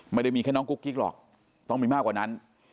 ไม่ได้มีแค่น้องกุ๊กกิ๊กหรอกต้องมีมากกว่านั้น